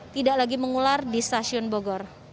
tidak lagi mengular di stasiun bogor